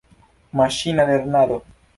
Maŝina lernado.